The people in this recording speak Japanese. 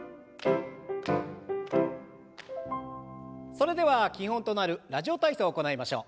それでは基本となる「ラジオ体操」を行いましょう。